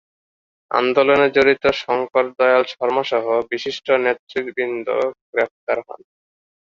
আন্দোলনে জড়িত শঙ্কর দয়াল শর্মা সহ বিশিষ্ট নেতৃবৃন্দ গ্রেফতার হন।